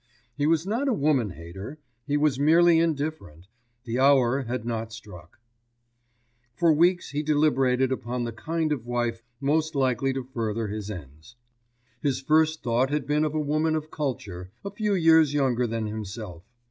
He was not a woman hater; he was merely indifferent; the hour had not struck. For weeks he deliberated upon the kind of wife most likely to further his ends. His first thought had been of a woman of culture, a few years younger than himself.